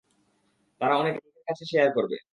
তারা অনেকের কাছে শেয়ার করবে।